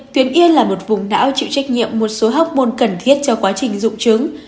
tuyền yên là một vùng não chịu trách nhiệm một số học môn cần thiết cho quá trình dụng trứng